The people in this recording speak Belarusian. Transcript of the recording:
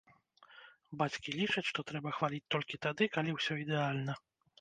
Бацькі лічаць, што трэба хваліць толькі тады, калі ўсё ідэальна.